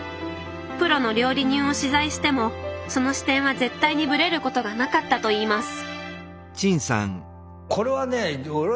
プロの料理人を取材してもその視点は絶対にブレることがなかったといいます